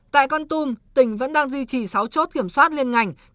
tại con tum tỉnh vẫn đang duy trì sáu chốt kiểm soát liên ngành